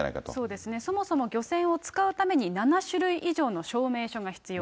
そうですね、そもそも漁船を使うために７種類以上の証明書が必要。